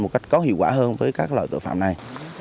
một cách có hiệu quả hơn với các loại tội phạm này